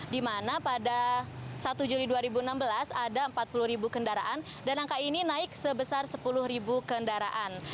di mana pada satu juli dua ribu enam belas ada empat puluh ribu kendaraan dan angka ini naik sebesar sepuluh ribu kendaraan